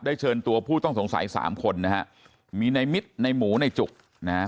เชิญตัวผู้ต้องสงสัยสามคนนะฮะมีในมิตรในหมูในจุกนะฮะ